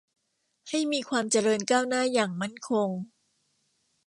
ให้มีความเจริญก้าวหน้าอย่างมั่นคง